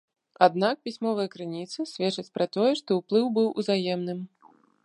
Аднак пісьмовыя крыніцы сведчаць пра тое, што ўплыў быў узаемным.